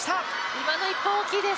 今の１本は大きいです。